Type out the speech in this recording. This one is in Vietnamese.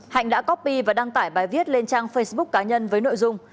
hạnh đã coppy và đăng tải bài viết lên trang facebook cá nhân với nội dung